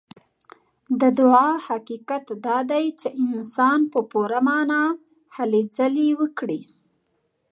د دعا حقيقت دا دی چې انسان په پوره معنا هلې ځلې وکړي.